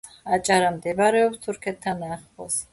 აჭარა მდებარეობს თურქეთთან ახლოს